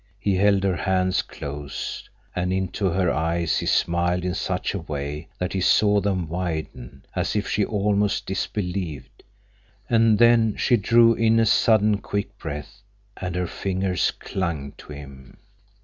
He held her hands close, and into her eyes he smiled in such a way that he saw them widen, as if she almost disbelieved; and then she drew in a sudden quick breath, and her fingers clung to him.